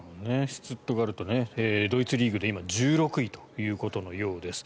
シュツットガルトドイツリーグで今１６位ということのようです。